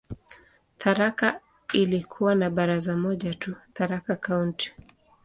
Tharaka ilikuwa na baraza moja tu, "Tharaka County".